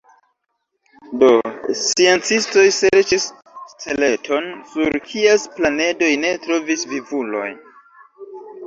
Do sciencistoj serĉis steleton sur kies planedoj ne troviĝis vivuloj.